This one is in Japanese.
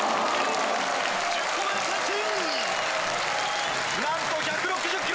１０個目の三振！